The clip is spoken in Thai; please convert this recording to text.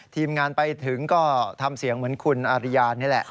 ทีมงานไปถึงก็ทำเสียงเหมือนคุณอาริยานี่แหละ